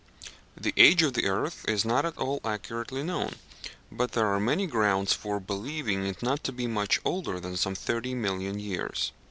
The age of the earth is not at all accurately known, but there are many grounds for believing it not to be much older than some thirty million years.